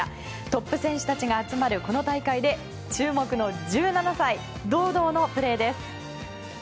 トップ選手たちが集まるこの大会で注目の１７歳堂々のプレーです。